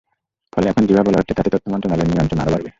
ফলে এখন যেভাবে বলা হচ্ছে, তাতে তথ্য মন্ত্রণালয়ের নিয়ন্ত্রণ আরও বাড়বে।